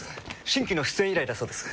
新規の出演依頼だそうです。